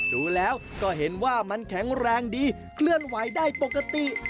ดูแล้วก็เห็นว่ามันแข็งแรงดีเคลื่อนไหวได้ปกติ